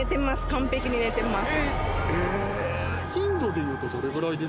完璧に寝てます。